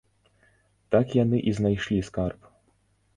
Так яны і знайшлі скарб.